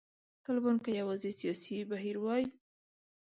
طالبان که یوازې سیاسي بهیر وای.